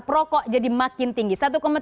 perokok jadi makin tinggi